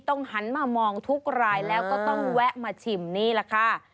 หันมามองทุกรายแล้วก็ต้องแวะมาชิมนี่แหละค่ะ